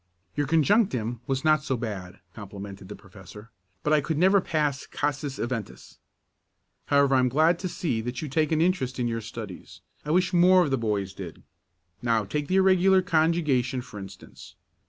"Your conjunctim was not so bad," complimented the professor, "but I could never pass casus eventus. However, I am glad to see that you take an interest in your studies. I wish more of the boys did. Now take the irregular conjugation for instance.